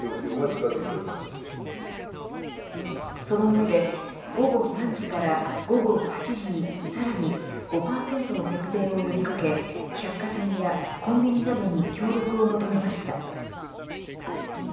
その上で午後３時から午後８時にさらに５％の節電を呼び掛け百貨店やコンビニなどに協力を求めました。